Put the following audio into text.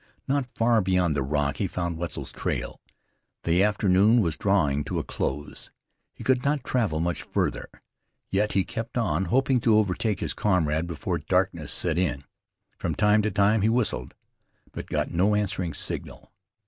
Not far beyond the rock he found Wetzel's trail. The afternoon was drawing to a close. He could not travel much farther, yet he kept on, hoping to overtake his comrade before darkness set in. From time to time he whistled; but got no answering signal.